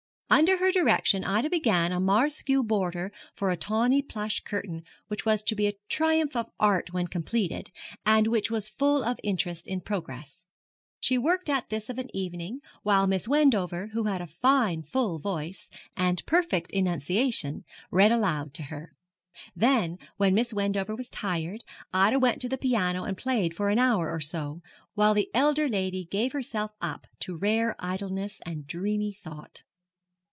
Under her direction, Ida began a mauresque border for a tawny plush curtain which was to be a triumph of art when completed, and which was full of interest in progress. She worked at this of an evening, while Miss Wendover, who had a fine full voice, and a perfect enunciation, read aloud to her. Then, when Miss Wendover was tired, Ida went to the piano and played for an hour or so, while the elder lady gave herself up to rare idleness and dreamy thought.